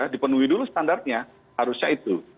dipenuhi dulu standarnya harusnya itu